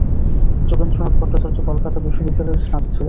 যোগেন্দ্রনাথ ভট্টাচার্য কলকাতা বিশ্ববিদ্যালয়ের স্নাতক ছিলেন।